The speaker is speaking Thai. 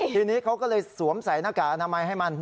ทีนี้เขาก็เลยสวมใส่หน้ากากอนามัยให้มัน